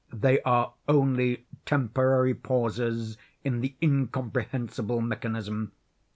They are only temporary pauses in the incomprehensible mechanism.